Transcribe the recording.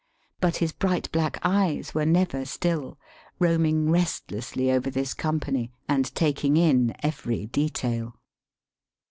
But his bright black eyes were never still, roaming restlessly over this com pany and taking in every detail.